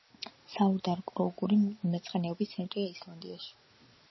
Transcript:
საუდარკროუკური მეცხენეობის ცენტრია ისლანდიაში.